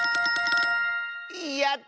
やった！